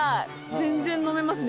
全然飲めますね